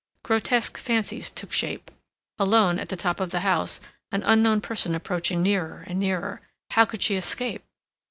Grotesque fancies took shape. Alone, at the top of the house, an unknown person approaching nearer and nearer—how could she escape?